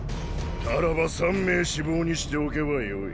ならば３名死亡にしておけばよい。